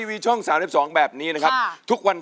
โรงนายให้ล้าน